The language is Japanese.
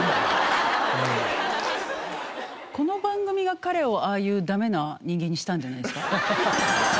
この番組が彼をああいうダメな人間にしたんじゃないですか？